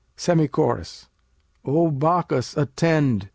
SEMI CHORUS O Bacchus, attend!